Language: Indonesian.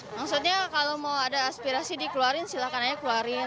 maksudnya kalau mau ada aspirasi dikeluarin silahkan aja keluarin